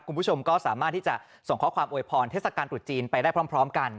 คุณผู้ชมก็สามารถที่จะส่งข้อความโวยพรเทศกาลตรุษจีนไปได้พร้อมกัน